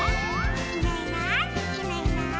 「いないいないいないいない」